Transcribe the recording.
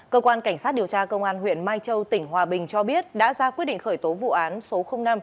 cơ quan cảnh sát điều tra công an huyện mai châu tỉnh hòa bình cho biết đã ra quyết định khởi tố vụ án số năm